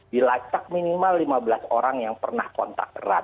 dilacak minimal lima belas orang yang pernah kontak erat